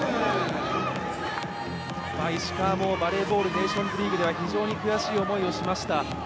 石川もバレーボールネーションズリーグでは非常に悔しい思いをしました。